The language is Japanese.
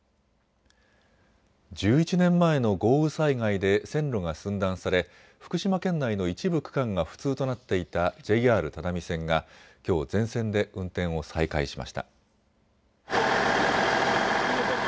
１１年前の豪雨災害で線路が寸断され福島県内の一部区間が不通となっていたＪＲ只見線がきょう全線で運転を再開しました。